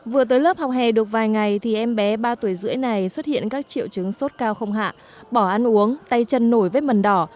vừa tới lớp học hè được vài ngày thì em bé ba tuổi rưỡi này xuất hiện các triệu chứng sốt cao không hạ bỏ ăn uống tay chân nổi vết mần đỏ